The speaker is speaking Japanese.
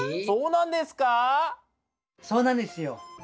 そうなんですか⁉そうなんですよ。